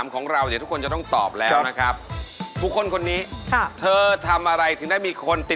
ก็เป็นไปได้